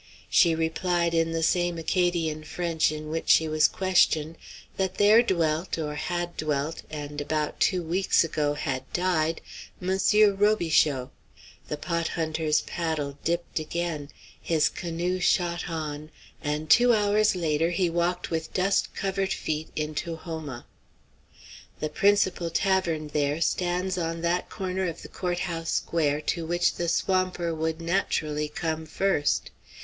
She replied in the same Acadian French in which she was questioned, that there dwelt, or had dwelt, and about two weeks ago had died, "Monsieur Robichaux." The pot hunter's paddle dipped again, his canoe shot on, and two hours later he walked with dust covered feet into Houma. The principal tavern there stands on that corner of the court house square to which the swamper would naturally come first.